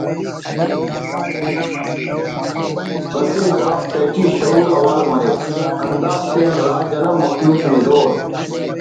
بلکن داف تیٹی شعور اوار مریک ہندافتیان راج انا مخلوق نزور